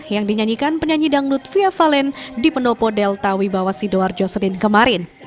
yang dinyanyikan penyanyi dangdut fia valen di pendopo delta wibawasidoar joselin kemarin